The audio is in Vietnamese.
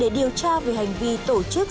để điều tra về hành vi tổ chức